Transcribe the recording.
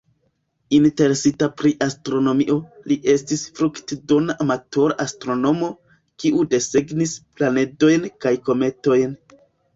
Interesita pri astronomio, li estis fruktodona amatora astronomo, kiu desegnis planedojn kaj kometojn.